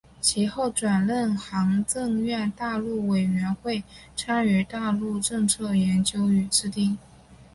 其后转任行政院大陆委员会参与大陆政策研究与制定。